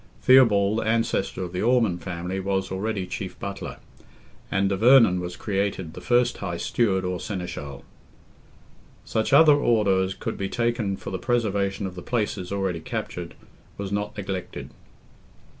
Theobald, ancestor of the Ormond family, was already chief Butler, and de Vernon was created the first high Steward or Seneschal. Such other order as could be taken for the preservation of the places already captured, was not neglected.